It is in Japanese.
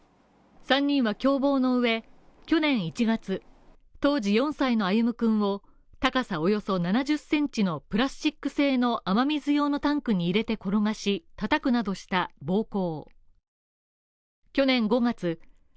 ３人は共謀の上、去年１月、当時４歳の歩夢君を、高さおよそ７０センチのプラスチック製の雨水用のタンクに入れて転がしたたくなどした暴行。